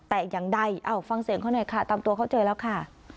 แต่อย่างใดเอาฟังเสียงเขาหน่อยค่ะตามตัวเขาเจอแล้วค่ะ